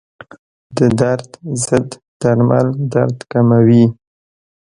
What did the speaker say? د درد ضد درمل درد کموي.